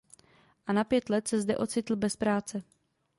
A na pět let se zde ocitl bez práce.